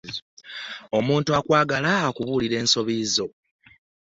Omuntu akwagala akubuulira ensobi zo.